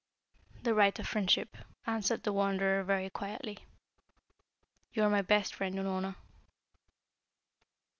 "The right of friendship," answered the Wanderer very quietly. "You are my best friend, Unorna."